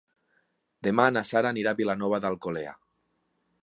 Demà na Sara anirà a Vilanova d'Alcolea.